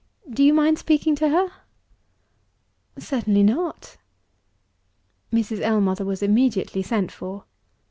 Do you mind speaking to her?" "Certainly not!" Mrs. Ellmother was immediately sent for.